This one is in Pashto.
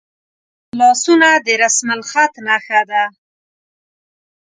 لاسونه د رسمالخط نښه ده